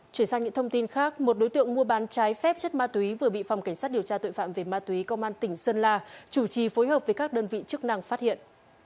chuyển sang những thông tin khác một đối tượng mua bán trái phép chất ma túy vừa bị phòng cảnh sát điều tra tội phạm về ma túy công an tỉnh sơn la chủ trì phối hợp với các đơn vị chức năng phát hiện